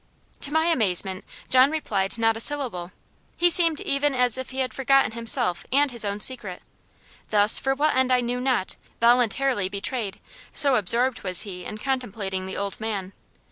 To my amazement, John replied not a syllable. He seemed even as if he had forgotten himself and his own secret thus, for what end I knew not, voluntarily betrayed so absorbed was he in contemplating the old man.